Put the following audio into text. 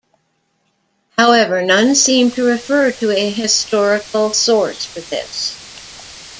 However, none seem to refer to a historical source for this.